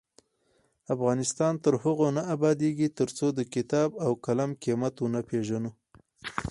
افغانستان تر هغو نه ابادیږي، ترڅو د کتاب او قلم قیمت ونه پیژنو.